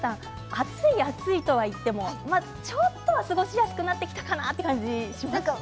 暑い暑いとはいってもちょっとは過ごしやすくなってきたかな、という感じしますか？